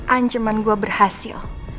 ancaman gue berhasil